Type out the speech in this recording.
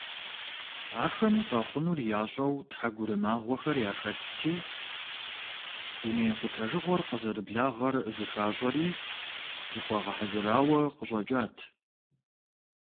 Ахэм къэхъунур ящӀэу тхьэгурымагъуэхэр яхэтти, дуней къутэжыгъуэр къызэрыблагъэр зыхащӀэри зыхуагъэхьэзырауэ къыщӀэкӀат.